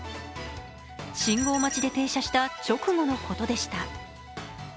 信号待ちで停車した直後のことでした。